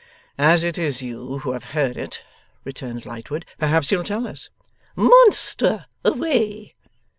'As it is you who have heard it,' returns Lightwood, 'perhaps you'll tell us.' 'Monster, away!